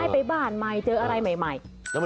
แล้วมันดีไหม